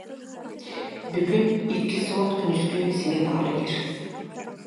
Бүгүн иккис взвод күнүскү сменаҕа үлэлиир